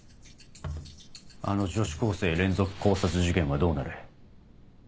あの女子高生連続絞殺事件はどうなる？